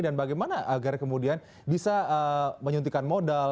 dan bagaimana agar kemudian bisa menyuntikkan modal